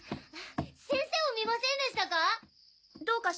先生を見ませんでしたか？